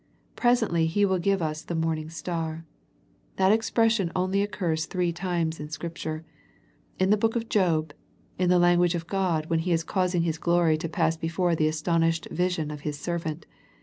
Presently He will give us the morning star. That ex pression only occurs three times in Scripture. In the book of Job, in the language of God, when He is causing His glory to pass before the astonished vision of His servant.